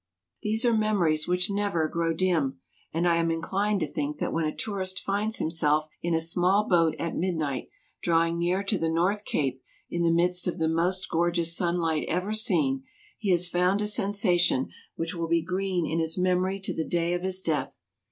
226 TRAVELERS AND EXPLORERS These are memories which never grow dim ; and I am inclined to think that when a tourist finds himself in a small boat at midnight, drawing near to the North Cape in the midst of the most gorgeous sunlight ever seen, he has found a sensation which will be green in his memory to the day of his death.